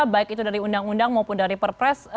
baik itu dari undang undang maupun dari perpres